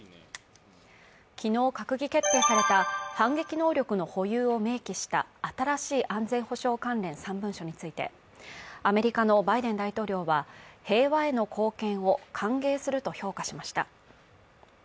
昨日、閣議決定された反撃能力の保有を明記した新しい安全保障関連３文書についてアメリカのバイデン大統領は平和への貢献を歓迎すると評価しました。